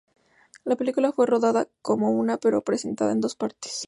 La película fue rodada como una, pero presentada en dos partes.